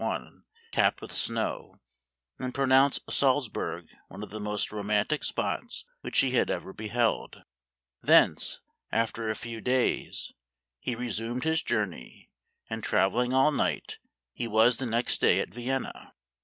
1) capped with snow, and pro nounced Saltzburg one of the most romantic spots which he had ever beheld. Thence, after a few days, he resumed his journey, and, travel ing all night, he was the next day at Vienna.